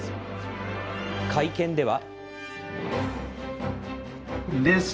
会見では。